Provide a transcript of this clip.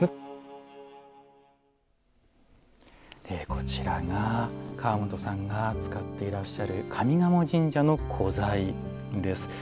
こちらが川本さんが使っていらっしゃる上賀茂神社の古材です。